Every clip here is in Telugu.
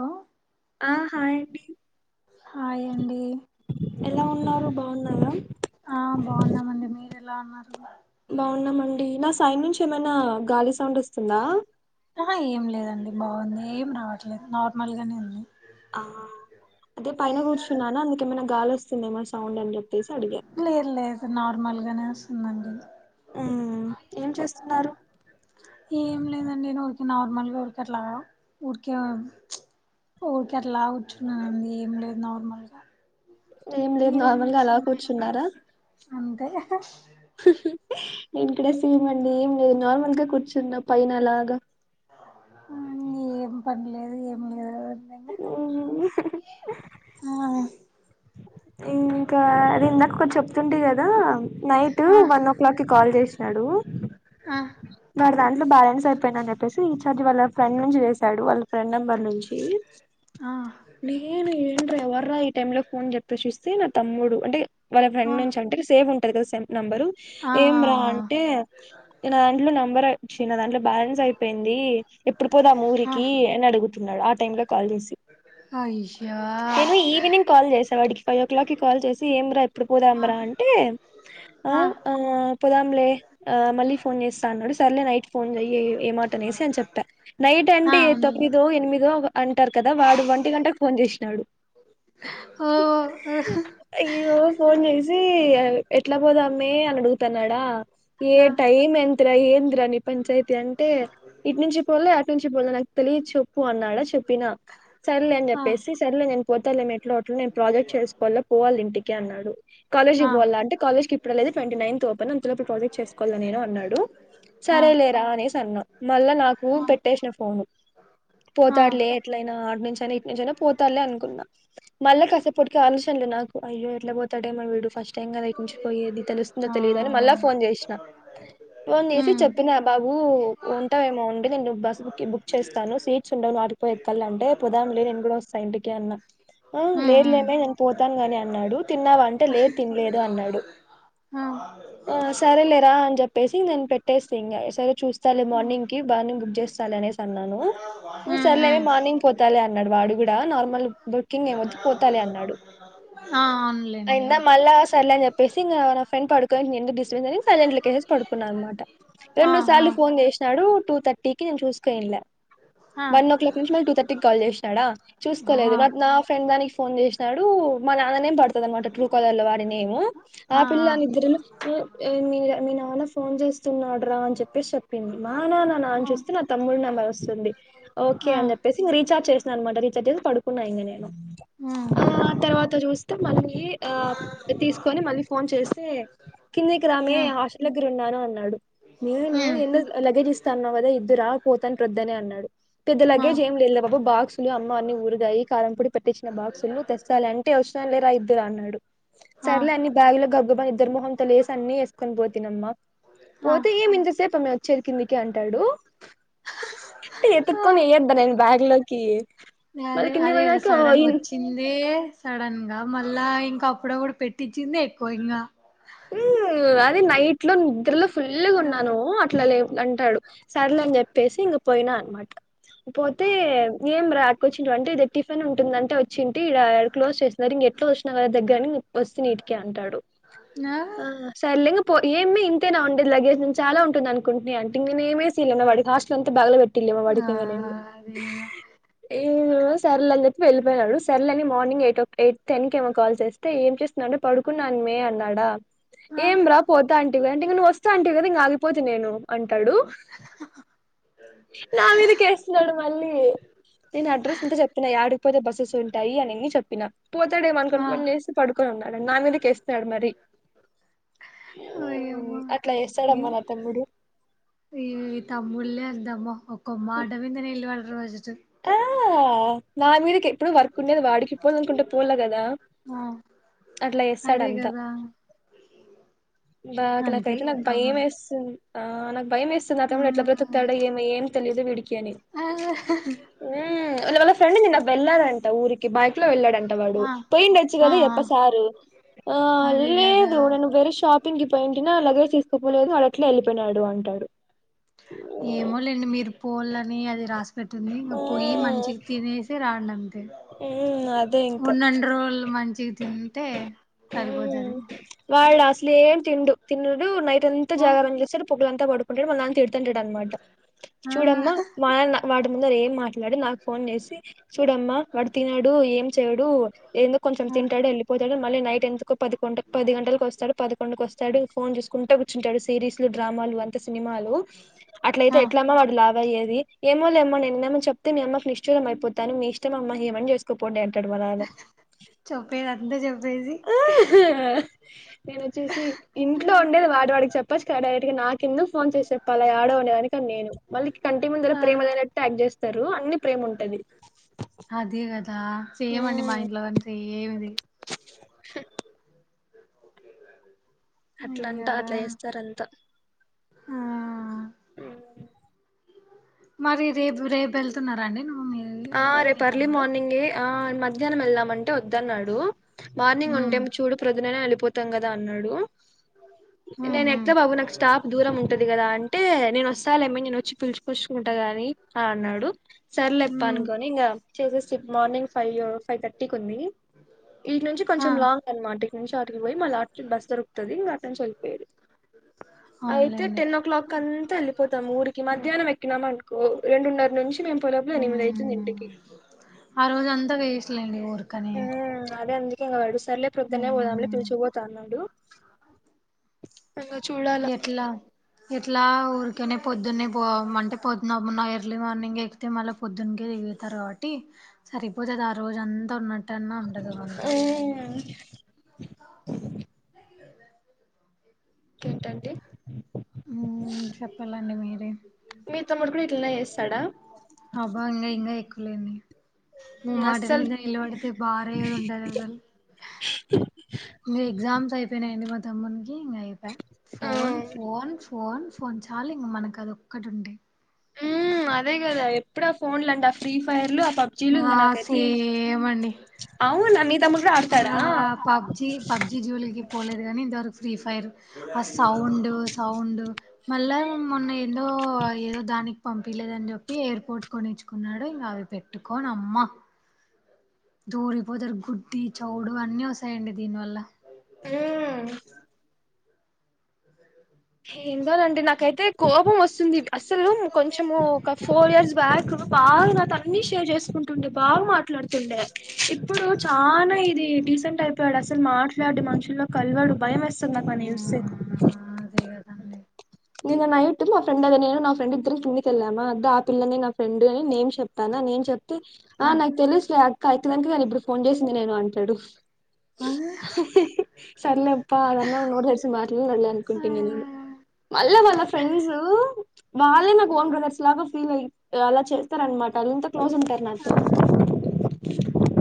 హలో ఆ హాయ్ అండి హాయ్ అండి ఎలా ఉన్నారు బాగున్నారా ఆ బాగున్నామండి మీరే ట్లా ఉన్నారు బాగున్నామండీ నా సైన్ నుంచి ఏమైనా గాలి సౌండ్ వస్తుందా అహ ఏం లేదండి బాగుంది ఏం రాట్లేదు నార్మల్ గానే ఉంది ఆ అదే పైన కూర్చున్నానా మీకేమైన గాలి వస్తుందేమో సౌండ్ అని జెప్ లేదు లేదు నార్మల్ గానే ఒస్తుందండి మ్మ్ ఏం చేస్తున్నారు ఏం లేదండి నాకి నార్ మళ్ళి ఊరుకట్లాగ ఊరికే ఆ ఊరికే అట్లా కూర్చున్నానండి ఏం లేదు నార్మల్గా ఏం లేదు నార్మల్ గా అలా కూర్చున్నారా అంతే నేన్ కూడ సేమ్ అండి ఏం లేదు నార్మల్గా కూర్చున్నా పైన అలాగ ఆ ఏం పని లేదు ఏం లేదు మ్మ్. ఆ త్రుంటి గదా నైట్ ఆ వన్ ఓ క్లాక్ కి కాల్ చేసినాడు ఆ వాడి దాంట్లో బ్యాలెన్స్ అయిపోయిందని చెప్పేసి ఫ్రెన్ నంబర్ నుంచి ఆ నేను ఏంట్రా ఎవర్రా ఈ టైమ్ లో ఫోన్ చెప్పి చూస్తే నా తమ్ముడు, అంటే వాళ్ళ ఫ్రెండ్ నుంచి అంటే ఇగ సేఫ్ ఉన్. నెంబరు ఆ ఏం రా అంటే, నా దాంట్లో నెంబర్ చ్చి నా దాంట్లో బ్యాలెన్స్ అయిపోయింది. దీ ఎప్పుడు పోదాం ఆ ఊరికీ ఆ అని అడుగుతున్నాడు ఆ టైం లో కాల్ జేసి అయ్యా నేను ఈవినింగ్ కాల్ జేసా వాడికి ఫైవ్ ఓ క్లాక్ కి కాల్ చేసి ఏం ర ఇప్పుడు పోదాంబ్రా అంటే, అ ఆ పోదాంలే ఆ మళ్ళీ ఫోన్ చేస్తా అన్నడు. సర్లే నైట్ ఫోన్ జెయ్యి ఏ మాట అనేసి అని చెప్పా, నైట్ ఆ అంటే ఏ ఉన్నాయి తొమ్మిదో ఎనిమిదో అను. ఉంటారు కదా వాడు వంటి గంటకు ఫోన్ చేసినాడు ఓ అయ్యో ఫోన్ చేసి అవ్ ఎట్లా పోదామ్మే అని అడుగుతున్నాడా ఏ ఆ టైమ్ ఎంతరా ఏందిరా ని పంచాయతీ అంటే ఇటు నుంచి పోలే అటి నుంచి పోలే నాకు తెలియ చెప్పు అన్నాడా చెప్పినా సర్లే అని ఆ చెప్పసి సర్లే నిన్ పోతలే మేము ఎట్లానో అట్లా నేను ప్రాజెక్ట్ చేసుకోవాల పోవాల ఇంటికి అన్నాడు కాలేజ్కి ఆ పోాల అంటే కాలేజ్కి ఇప్పుడే లెద్ ట్ంటీ నైన్త్ ఓపెన్ అంతలోప్పు ప్రాజెట్ చేసుకోవాల నిను అన్నాడు ఆ సరే లేరా అనేసి అన్న మళ్ళా నాకు పెట్టేసిన ఫోను ఆ పోతాడులే ఎట్లైనా ఆటి నుంచైయినా ఇటు నుంచైనా పోతాడులే అనుకున్నా మళ్ళా క ప్పటికో ఆలోచనలు నాకు అయ్యో ఎట్లా పోతాడెమో వీడు ఫస్ స్ట్ టైం కదా ఇటునుండి పోయేది తెలుస్తుందో ఆ తెలియదో అని మళ్ళ ఫోన్ చేసినా ఫోన్ చేసి ఉమ్ చెప్పినా బా బు ఉంటావేమో ఉండు నేను బస్సు బుక్ చేస్తాను సీట్స్ ఉండవు నాడిపో కల్ అంటే పోదాం లే ఇంటికి అన్న ఉమ్ ఉమ్ లేదులెమ్ నిన్ పోత్ తం గాని అన్నాడు తిన్నావ అంటే లేదు తినలేదు అన్నాడు ఆ సరేలేరా అని చెప్పేసి నేను పెట్టేస్తే ఇంగ సరే చూస్తా లే మార్నింగ్ కి మార్నిగ్ బుక్ చేస్తాలే అనేసాన్నాను ఉమ్ సర్లే వే ఉమ్ మార్నింగ్ పోతాలే అన్నాడు వాడు కూడా నార్మల్ బర్కింగ్ ఏమొద్దు పోతాలే అన్నాడు అవున్లే అఇందా మళ్ళా సర్లే అని చెప్పేసి ఇంగ నా ఫ్రిండ్ పడుకో ఎందుకు డిస్టాబెన్స్ అని నిను సైలెంట్ లోకేసేసి పడుకున్నా అనమాట ఆ రెండు ఆ సార్లు ఫోన్ చేసినాడు టూ థర్టీ కి నేను చూసుకోనిలే ఆ ఆ వన్ ఓ క్లాక్ నుంచి మళీ టూ థర్టీ కి కాల్ చేసినాడా ఆ చూసుకోలేదు మట్ నా ఫ్రెండ్ దానికి ఫోన్ చేసినాడు మా నాన్ననేం పడుతది అనమాట ట్రూ కలర్లో వాడి నెము ఆ పిల్లనిద్దరలో ఎ మీ మీ నాన్న ఫో న్నాడు్రా అని చెప్పేసి చెప్పింది మా ననా నా అని ఉమ్ చూస్తే నా తమ్ముడి నెంబర్ వస్తుంది ఓకే అని చెప్ ప్పేసి ఇంగ రీచార్జ్ చేసినా అనమాట రీచార్జ్ చేసి పడుకున్నా ఇంగ నేను ఉమ్ ఉమ్ ఆ తర్వాత చూస్తే మళ్ళీ ఆ తీసుకొని మళ్ళీ ఫోన్ చేస్తే కిందికి రమ్మీ హాస్టల్ దగ్గరున్నను అన్ న్నాడు నేను ఉమ్ ఎందు లగేజ్ ఇస్తా అన్నావ్ కదా ఇద్దువ్ పోతంటే వద్దని అన్నాడు ఆ పెద్దలాగే్ ఏం లే బబ బాస్లు అమ్మా అన్ని ఊరిగాయి కారంపూడి పెట్టించిన బాక్సులు తెస్తాలే అంటే ఒచ్చినలే రా ఇద్దువు రా అన్నాడు ఆ సర్లే అన్ని బ్యాగుల గబగబనిద్దుర మొహంతో లేసి అన్ని వేసుకొని పోతినమ్మా పోతే ఆ ఏమి ఇంతసేప ఆమ్మి వచ్చేది కిందికి అంటాడు టే ఎతుక్కొని ఇయ్యోద్ద నిను బ్యాగ్లోకి అదే అదే కదా సడన్గోచ్చిందే సడన్గా మళ్ళా ఇంకా అప్పుడప్పుడు పెట్టించిందే ఎక్కువ ఇంగ మ్ అది నైట్ లో నిద్రలో ఫుల్గా ఉన్నాను అట్లా లేప్ అంటాడు సర్లేని చెప్పేసి ఇంగ్ పోయినా అనమాట పోతే ఏం రా కోచ్చిర్రు అంటే ఇడ టిఫిన్ ఉంటుంది అంటే వచ్చింటి ఇడ క్లిజ్ చేసిన్నారు ఇంగ ఎట్లో వచ్చిన కదా దగ్గర ఒస్తిని ఇటికి అంటాడు ఆ అ సర్లే పో ఇంగ పో ఏమీ ఇంతేనా ఉండే లగేజ్ నేన్ చాలా ఉంటుంది అకుంటిని అంటే ఇంగ నేను ఏమేసియలే వాడికి హస్టల్ అంతా బాగలకొట్టిళ్లే ఆ వాడికింగనిను అదే కదా ఏ సర్లే అని చెప్పి వెళ్ళలిపోయినాడు సెర్లే అని మార్నింగ్ అయిట్ ఎయిట్ టెన్ కేమొ కాల్ చేస్తే ఏం చేస్తున్నాంవ్ అంటే పడుకున్నామ్మి అన్నాడా ఆ ఏం రా పోతా అంటంటివి కదా అంటే ఇగ నువ్ వస్తా అంటివి కదా ఇంగ ఆగిపోత నేను అంటాడు నా మీదకేస్తున్నాడు మళ్ళీ నేను అడ్రస్ అంతా చెప్పినా యాడికిపోతే బసెస్ ఉంటాయి అని చెప్పినా పోతాడేమొ ఆ అనుకుని ఫోన్ చేస్తె పడుకున్నా న్నాడు నా మీద కేస్తన్నాాడు మరి ఓయమ్మా అట్లా ఈ చేస్తాడమ్మ నా తమ్ముడు ఈ తమ్ముళ్లే అందమ్మా ఒక్క వినరు [inaudible] ఆ నా మీరు ఎప్పుడు వర్క్ ఉండేది వాడికి పోల అనుకుంటే పోలే కదా ఆ అట్లా చేస్తాడ అదే అంతా కదా బాగా అంతే నాకైతే ఈ నాకు భయం తమ్ముళ్ళు వేస్తుంది ఆ నాకు భయం వేస్తుంది నా ఆ తమ్ముడు ఎట్లా బ్రతుకుతాడా ఏ ఏమి తెలియ విడికి అని ఆ నిన్న వల్ల ఫ్రెండ్ వెళ్ళాడట వూరికి బైక్ లో వెళ్ళాడంట వాడు పోయిండొచ్చు ఆ ఆ కదా ఇ యప్ప సారు అ అదే లేదు కదా నేను వేరే షాప్ కి పోయింటిన లాగేజ్ తీసుకోపోలేదు వాడు అట్లీ వెళ్లిపోయినాడు అంటడు ఏమోలేండి మీరు పోలని అది రాసు పెట్టుంది ఆ పొయ్యి మ్మ్ మంచికి తినేసి రాడం మ్మ్ అదే ఇంకా ఉన్నండు రోజులు మంచి తింటే సరిపోతాది వాళ్ళు అసలే ఏం తిండు తిడు నైట్ అంత ఆ జాగర చేస్తారు పొగులంతా పడుకుంటాడు మళ్ళ అంత తడు అంటాడు అనమాట ఆ చూడమ్మా మన వాడి ముందర ఏం మాట్లాడు నాకు ఫోన్ చేసి చూడమ్మా వాడు తినడు ఏం చెయడు ఏందు కొంచెం ఆ తింటడు వెళ్ళిపోతాడు మళ్ళీ నైట్ ఎంత కు పదింట పది గంటలకు వస్తాడు పదకొండుకు వస్తడు ఫోన్ చూసుకుంటా కూర్చుంటాడు సిరీస్ డ్రామాలు అంతా సినిమాలు అట్లయితే ఆ ఎట్లమ్ వా అయేది ఏమో లేమో నేనేమో చెప్తే మీ అమ్మకు నిష్టూరం అయిపోతాను మీ ఇ ఏం అన చేసుకో పోండి అంటాడు మా నాన్న చెప్పేది అంతా చెప్పేసి నేను వచ్చేసి ఇంట్లో ఉండేది వాటి వాడికి చెప్పచ్చుడైరెట్ గా నాకు ఎన్న ఫోన్ చేసి చెప్పాల ఆడో ఉండ దా నేను మళ్ళీ కంటి ముందుర ఆ ప్రేమ లేనట్టు యాక్ట్ చేస్తారు అన్ని ప్రేమ ఉంటది అదే కదా సేమ్ అండి మా ఉమ్ ఇంట్లో కాని సేమ్ ఇది అట్లా అంట అయ్యా అట్లా చేస్తారంట ఆ మరి రేపు రేపు వెళ్తున్నరండి ఆ రేపు అర్లీ మార్నింగి ఆ మధ్యానం వెళ్దాం అంటే వద్దన్నాడు మార్నింగ్ ఉమ్ ఉంటేం చూడు ప్రొదుననే వెళ్ళిపోతాం కదా అన్నాడు ఉమ్ నేను ఉమ్ ఎట్లా బాబు నాకు స్టాప్ దూరం ఉంటది కదా అంటే నేను వస్తాలేేమ నేను పిలుచుకొచ్చుకుంటా గాని అన్నాడు సర్లే ఉమ్ పడుకొని ఇంకా చేసేసి మార్నింగ్ ఫైవ్ ఫైవ్ థర్టీకి ఉంది ఇటీ నుంచి ఆ కొంచెం లాంగ్ అనమాట ఇ నుంచి అడిగి పోయి మళ్ళీ అ బస్ దొరుకుతుంది ఇంకా అట నుంచి వెళ్ళపోయది అయితే అవునులేండి టెన్ ఓ క్లాక్ అంత అలి పోతాము ఊరికి మధ్యాహ్నం ఎక్కినం అనుకో రెండున్నర నుంచి మేము పోయిలోపల ఎనిమిది అవుతుంది ఇంటికి ఆ రోజు అంతా వేస్ట్లేండి ఊర్కనే మ్మ్ అదే అందుకే వాడు సర్లే ప్రొదునే పోదాంలే పిలిచిపోతాన్నాడు [inaudible] ఎట్లా ఇట్లా ఊరికనే పొద్దున్నే పో అంటే పొద్దునమ్న్న ఎర్లీ మార్నింగ్ ఎక్కితే మళ్ళీ పొద్దున్నకే తారు కాబట్టి సరిపోతుది ఆ రోజు అంతా ఉన్నట్టు అన్నా ఉండది అంతా మ్మ్ ఏంటండి మ్మ్ చెప్పాలండి మీరే మీ తమ్ముడు కూడా ఇట్లనే చేస్తాడా అబా ఇంకా ఇంకా ఎక్కువలేంది మ్ అస్సల్ మాటమింద నిలబడితే బారీగా ఉంటది అసలు ఇంకా ఎగ్జామ్స్ అయిపోయినాయండి మా తమ్ముకి ఇంకా అయిపోయా ఆ ఫోన్ ఫోన్ ఫోన్ ఫోన్ చాలు ఇంకా మనకు అది ఒక్కటి ఉండే ఉ అదే కదా ఎప్పుడా ఫోన్లు అండి ఆ ఫ్రీ ఫైర్లు పబ్జీలు ఇంక ఆ నాకయితే సేమ్ అండి అవును నా ఆ పబ్జి పబ్జి జోలికి పోలేదు కానీ ఇంతవరకు ఫ్రీ ఫైర్ ఆ సౌండ్ సౌండ్ మళ్ళా మొన్న ఏందో ఏదో దానికి పంపిలేదని చెప్పి ఎయిర్పోర్ట్ కొనిచ్చుకున్నాడు ఇంక అవి పెట్టుకోని అమ్మ దూరిపోతారు గుడ్డి చవుడు అన్నీ వస్తాయండి దీని వల్ల మ్ ఏందోనండి నాకైతే కోపం వస్తుంది అసలు కొంచము ఒక ఫోర్ ఇయర్స్ బ్యాక్ బాగా అన్ని షేర్ చేసుకుంటుండే బాగా మాట్లాడుతుండే ఇప్పుడు చాలా ఇది డీసెంట్ అయిపోయాడు ఇడు అసలు మాట్లాడు మనుషుల్లో కలవడు భయం వేస్తుంది నాకు వాన్ని చూస్తే మ్మ్ అదే కదండి నిన్న నైట్ నా ఫ్రెండ్ అదె నేను నా ఫ్రెండ్ ఇద్దరం కిందికెళ్ళమా అదో ఆ పిల్లనే నా ఫ్రెండ్ అని నేమ్ చెప్పానా నేమ్ చెప్తే ఆ నాకు తెలుసులే అక్క అఅక్కదానికే నేనిప్పుడు ఫోన్ చేసింది నేను అంటాడు ఆ హ్హ్ హ్హ్ హ్హ్ సర్లేప్ప అదన్నా నోర్ తెర్సి మాట్లాడాడులే ఆ అన్కుంటి నేను మళ్లా వాళ్ళ ఫ్రెండ్స్ వాళ్ళే నాకు ఓన్ బ్రదర్స్ లాగా ఫీల్ అయి అలా చేస్తారు అనమాట అంత క్లోస్ ఉంటారు నాతొ ఆ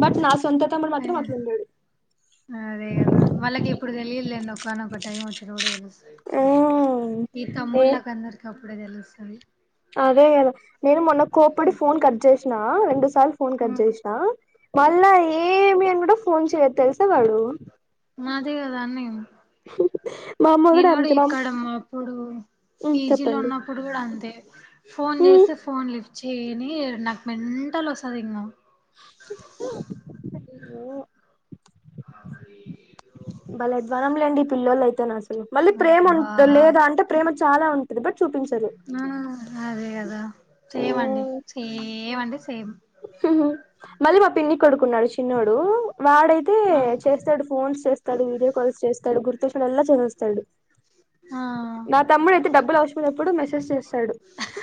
బట్ నా సొంత తమ్ముడు మాత్రం అట్లుండడు అదే కదా వాళ్ళకి ఇప్పుడు తెలియదులేండి ఒకానొక టైం వచ్చినప్పుడు తెలుస్తది ఆ, ఈ ఏ తమ్ముళ్ళకందరికి అప్పుడే తెలుస్తది అదే కద నేను మొన్న కోప్పుడి ఫోన్ కట్ చేసిన రెండుసార్ ఫోన్ కట్ చేసినా మళ్ళా ఏమి అని కూడా ఫోన్ చెయ్యడు తెలుసా వాడు నాదే కదాన్నేను [unintelligible] మా అమ్మ నేను కూడా అంతే మా ఇక్కడమ్మా అప్పుడు ఉమ్ పీజీ లో చెప్పండి ఉన్నప్పుడు కూడా అంతే ఫోన్ ఉమ్ చేస్తే ఫోన్ లిఫ్ట్ చేయనే చేయడు నాకు మెంటల్ వస్తది ఇంకా అ బలే అద్వాన్నం లేండి ఈ పిల్లోలయితే నా మళ్ళీ ప్రేమ ఉం అబ్బా లేదా అంటే ప్రేమ చాలా ఉంటది బట్ చూపించరు ఆ అదే కదా సేమండి ఉమ్ సేమండి సేమ్ మళ్ళీ మా పిన్ని కొడుకున్నాడు చిన్నోడు వాడైతే ఆ చేస్తాడు ఫోన్స్ చేస్తాడు వీడియో కాల్స్ చేస్తాడు గుర్తొచ్చినప్పుడల్లా చేసేస్తాడు ఆ నా తమ్ముడు అయితే డబ్బులు అవసరమైనప్పుడు మెసేజ్ చేస్తాడు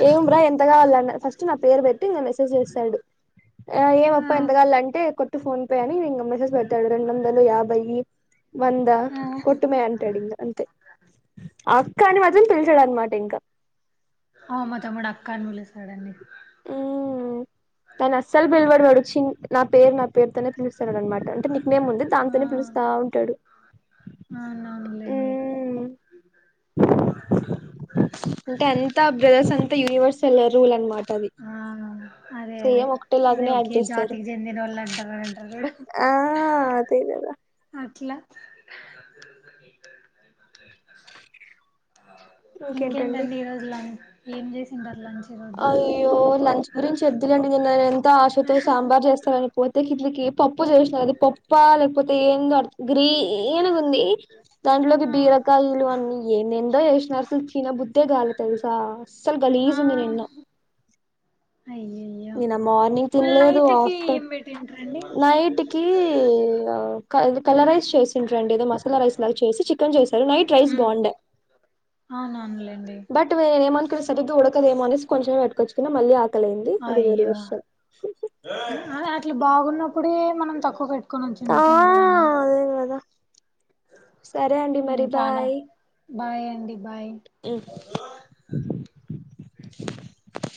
ఏం రా ఎంత కావాలన్న ఫస్ట్ నా పేరు పెట్టి ఇంక మెసేజ్ చేస్తాడు ఆ ఏమప్ప ఎంతగావాల ఆ అంటే కొట్టు ఫోన్ పే అని ఇంక మెసేజ్ పెడతాడు రెండు వందలు యాభై వంద కొట్టు మే అంటాడు ఇంగ అంతే అక్క అని మాత్రం పిలచడు అన్మాట ఇంకా అ మా తమ్ముడు అక్కా అని పిలుస్తాడండి ఉ నను అస్సలు పిలువడు వాడు చి నా పేరు నా పేరు తోనే పిలుస్తడు అనమాట అంటే నిక్ నేమ్ ఉంది ఆ దాంతోనే పిలుస్తా ఉంటాడు అవునవునులేండి ఉమ్ అంటే ఆ బ్రదర్స్ అంతా యూనివర్సల్ రూల్ అనమాట అది ఆ అదే అదే సేమ్ ఒక అదే లాగనే యాక్ట్ ఒకే చేస్తారు జాతికి చెందిన వాళ్ళు అంటారు అంటారు చూడు ఆ అదే కదా అట్లా ఇంకేంటండి ఈరోజు లంచ్ ఏం చేసిండారు లంచ్ ఈరోజు అయ్యో లంచ్ గురించి వద్దులెండి నిన్న ఎంతో ఆశతో సాంబార్ చేస్తానని పోతే కిందికి పప్పు చేసినా అది పప్పా లేకపోతే ఏందో అర్ గ్రీన్ గుంది దాంట్లోకి ఆ బీరకాయ వలు అన్నీ ఎందేదో ఎసినారు అసలు తిన బుద్ధే కాలే తెలుసా అసలు ఆ గలీజు ఉంది నిన్న అయ్యయ్యో నిన్న మార్నింగ్ మళ్ళీ తినలేదు నైట్కి ఆఫ్టర్ ఏం పెట్టింటారండి నైట్ కి కలరైస్ చేసి రండి ఏదో మసాలా రైస్ లా చేసి చికెన్ చేసారు నైట్ రైస్ బాగుండే అవును అవునులేండి బట్ నేనేమనుకున్న సరిగ్గా ఉడకదమో అనేసి కొంచంమే పెట్టుకొచ్చుకున్న మళ్ళీ ఆకలైంది అది వేరే అయ్యో విషయం అట్ల బాగున్నప్పుడే మనం తక్కువ పెట్ కొని ఆ వచ్చింటం చూడండి అదే కదా సరే అండి మరి ఉమ్ చానా బాయ్ బాయ్ అండి బాయ్ ఉమ్ [inaudible]